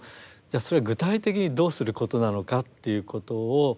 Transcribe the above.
あそれは具体的にどうすることなのかっていうことを。